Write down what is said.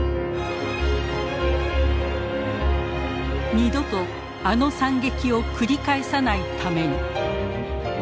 二度とあの惨劇を繰り返さないために。